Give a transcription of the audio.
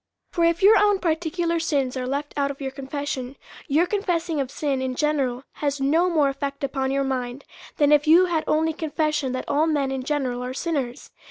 For if your own particular sins are left out of your confession, your confessing of sin in general has no more effect upon your mind, than if you had only confessed that all men in general are sinners.